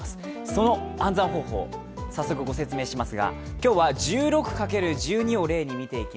その暗算方法、早速ご説明します。